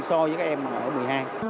so với các em ở một mươi hai